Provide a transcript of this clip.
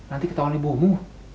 nanti ketahuan ibumu